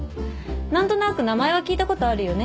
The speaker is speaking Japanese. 何となく名前は聞いたことあるよね？